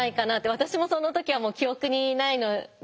私もその時は記憶にないので。